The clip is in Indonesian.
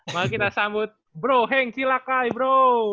mau kita sambut bro heng silahkan bro